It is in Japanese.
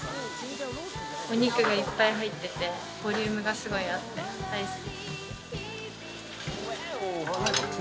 お肉がいっぱい入っててボリュームがすごいあって大好き。